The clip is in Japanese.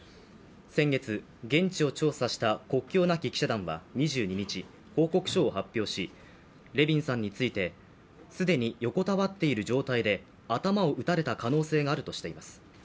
先月、現地を調査した国境なき記者団は２２日報告書を発表しレヴィンさんについて既に横たわっている状態で頭を撃たれた可能性があるとしています。